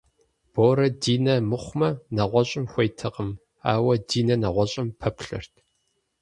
Борэ Динэ мыхъумэ, нэгъуэщӏым хуейтэкъым, ауэ Динэ нэгъуэщӏым пэплъэрт.